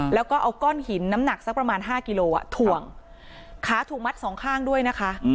แล้วก็เอาก้อนหินน้ำหนักสักประมาณห้ากิโลถ่วงขาถูกมัดสองข้างด้วยนะคะ